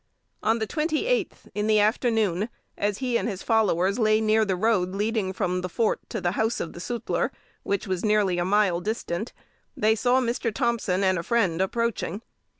On the twenty eighth, in the afternoon, as he and his followers lay near the road leading from the fort to the house of the sutler, which was nearly a mile distant, they saw Mr. Thompson and a friend approaching.